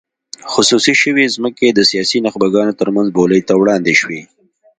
خصوصي شوې ځمکې د سیاسي نخبګانو ترمنځ بولۍ ته وړاندې شوې.